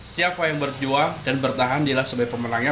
siapa yang berjuang dan bertahan dia sebagai pemenangnya